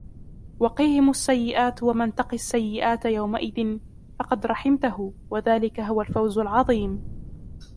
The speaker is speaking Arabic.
وقهم السيئات ومن تق السيئات يومئذ فقد رحمته وذلك هو الفوز العظيم